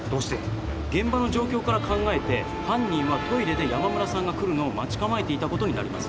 現場の状況から考えて犯人はトイレで山村さんが来るのを待ち構えていたことになります。